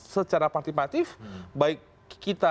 secara partipatif baik kita